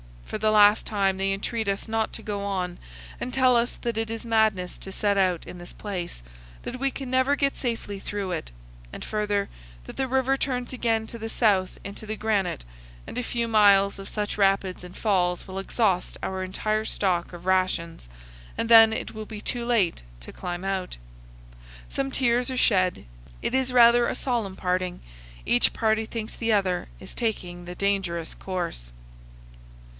For the last time they entreat us not to go on, and tell us that it is madness to set out in this place; that we can never get safely through it; and, further, that the river turns again to the south into the granite, and a few miles of such rapids and falls will exhaust our entire stock of rations, and then TO THE FOOT OF THE GRAND CANYON. 281 it will be too late to climb out. Some tears are shed; it is rather a solemn parting; each party thinks the other is taking the dangerous course.